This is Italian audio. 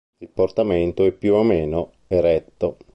Il portamento è più o meno eretto.